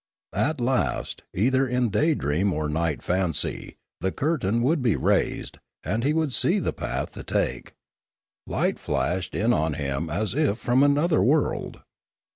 At last either in day dream or night fancy the curtain would be raised, and he would see the path to take; light flashed in on him as if from another world.